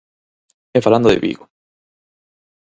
E falando de Vigo.